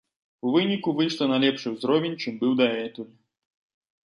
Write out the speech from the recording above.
У выніку выйшла на лепшы ўзровень, чым быў дагэтуль.